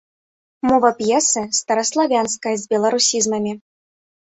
Мова п'есы стараславянская з беларусізмамі.